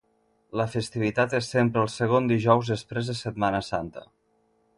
La festivitat és sempre el segon dijous després de Setmana Santa.